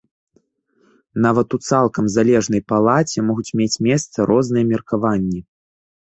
Нават у цалкам залежнай палаце могуць мець месца розныя меркаванні.